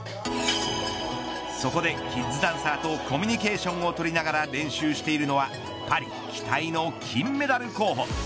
そこで、キッズダンサーとコミュニケーションを取りながら練習しているのはパリ期待の金メダル候補。